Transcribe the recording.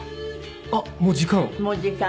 あっもう時間？